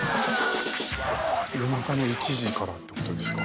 夜中の１時からって事ですか。